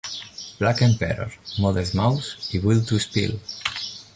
Black Emperor, Modest Mouse i Built to Spill.